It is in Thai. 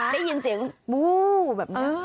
ได้ยินเสียงบู้แบบนี้